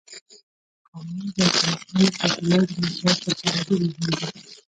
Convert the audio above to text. قومونه د افغانستان د چاپیریال د مدیریت لپاره ډېر مهم دي.